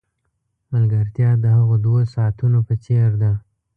ملګرتیا د هغو دوو ساعتونو په څېر ده.